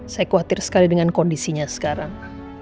saya khawatir sekali dengan kondisinya sekarang